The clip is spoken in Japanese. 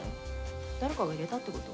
誰かが入れたって事？